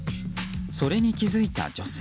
それに気付いた女性。